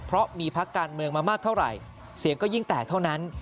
เพราะมีพักการเมืองมามากเท่าไหร่เสียงก็ยิ่งแตกเท่านั้น